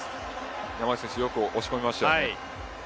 山内選手、よく押し込みました。